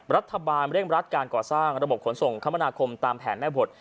รัฐบาลเร่งรัดการก่อสร้างระบบขนส่งคมนาคมตามแผนแม่บท